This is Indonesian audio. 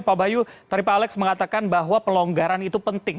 pak bayu tadi pak alex mengatakan bahwa pelonggaran itu penting